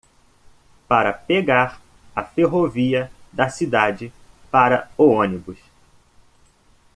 Para pegar a ferrovia da cidade para o ônibus